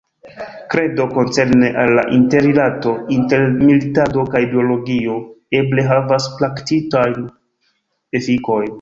Kredo koncerne al la interrilato inter militado kaj biologio eble havas praktikajn efikojn.